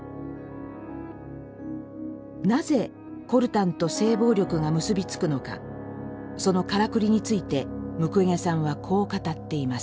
なぜコルタンと性暴力が結び付くのかそのからくりについてムクウェゲさんはこう語っています。